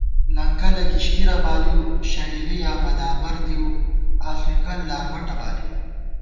لنکَلہ کِشکِرہ بالِؤ شَڈِلی یا بدابر دِؤ آݪُوئیگل لاربَٹہ بالِؤ